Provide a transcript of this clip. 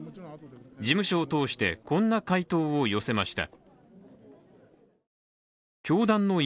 事務所を通して、こんな回答を寄せました。